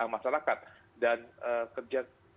masyarakat dan kerja